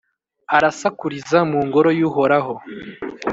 arasakuriza mu Ngoro y’Uhoraho